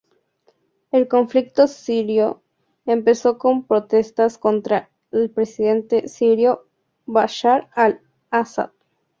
El conflicto sirio empezó con protestas contra el presidente sirio Bashar al-Asad.